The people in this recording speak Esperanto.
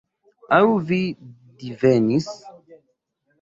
Aŭ vi divenis?